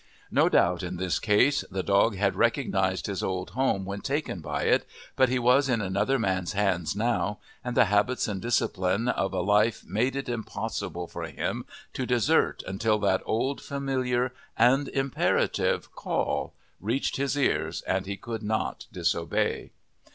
No doubt in this case the dog had recognized his old home when taken by it, but he was in another man's hands now, and the habits and discipline of a life made it impossible for him to desert until that old, familiar, and imperative call reached his ears and he could not disobey.